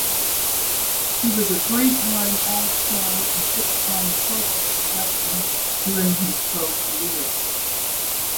He was a three-time All-Pro and six-time Pro Bowl selection during his pro career.